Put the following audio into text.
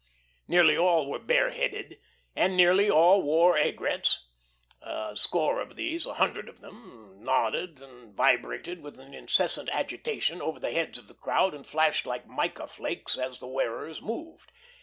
Nearly all were bare headed, and nearly all wore aigrettes; a score of these, a hundred of them, nodded and vibrated with an incessant agitation over the heads of the crowd and flashed like mica flakes as the wearers moved.